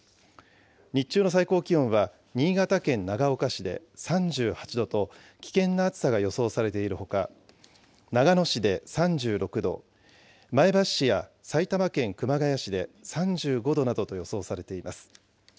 日中の最高気温は、新潟県長岡市で３８度と、危険な暑さが予想されているほか、長野市で３６度、前橋市や埼玉県熊谷市で３５度などと予想されています。